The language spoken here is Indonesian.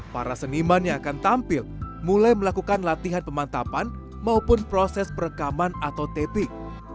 para seniman yang akan tampil mulai melakukan latihan pemantapan maupun proses perekaman atau tepik